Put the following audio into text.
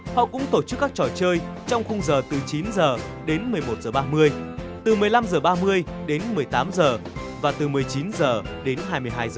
họ cũng tổ chức các trò chơi trong khung giờ từ chín h đến một mươi một h ba mươi từ một mươi năm h ba mươi đến một mươi tám h và từ một mươi chín h đến hai mươi hai h